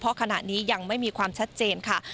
เพราะขณะนี้ยังไม่มีความชัดเจนค่ะ